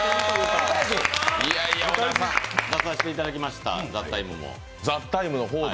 出させていただきました、「ＴＨＥＴＩＭＥ，」の方にも。